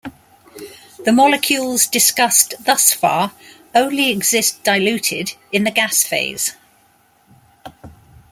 The molecules discussed thus far only exist diluted in the gas phase.